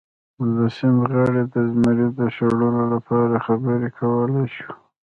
د سیند غاړې د زمري د شړلو لپاره خبرې کولی شو.